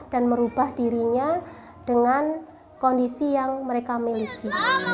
dan merubah dirinya dengan kondisi yang mereka miliki